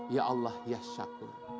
ya allah ya syukur